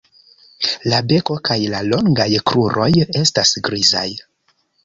La beko kaj la longaj kruroj estas grizaj.